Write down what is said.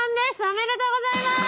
おめでとうございます！